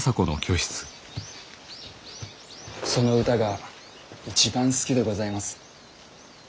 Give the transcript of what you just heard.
その歌が一番好きでございます。